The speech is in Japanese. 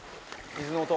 水の音！